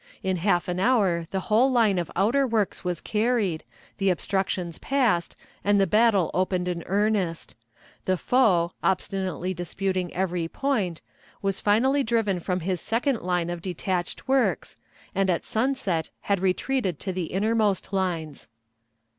In half an hour the whole line of outer works was carried, the obstructions passed, and the battle opened in earnest; the foe, obstinately disputing every point, was finally driven from his second line of detached works, and at sunset had retreated to the innermost lines.